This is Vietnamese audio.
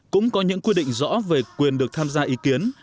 cũng có những quy định rõ về quyền được tham gia ý kiến